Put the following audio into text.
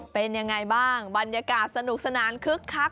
เป็นยังไงบ้างบรรยากาศสนุกสนานคึกคัก